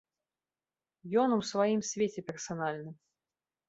Ён у сваім свеце персанальным.